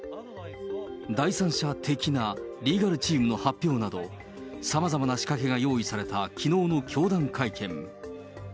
第三者的なリーガルチームの発表など、さまざまな仕掛けが用意されたきのうの教団会見。